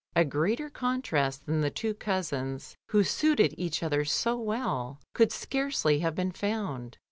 A greater contrast than the two cousins, who suited each other so weU, could scarcely have been found.